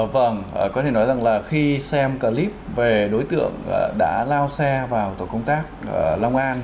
vâng có thể nói rằng là khi xem clip về đối tượng đã lao xe vào tổ công tác long an